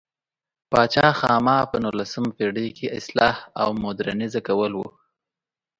پاچا خاما په نولسمه پېړۍ کې اصلاح او مودرنیزه کول و.